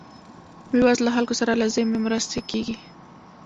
بې وزله خلکو سره لازمې مرستې کیږي.